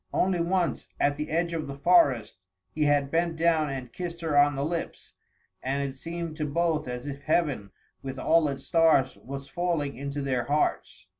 Only once, at the edge of the forest, he had bent down and kissed her on the lips, and it seemed to both as if heaven with all its stars was falling into their hearts.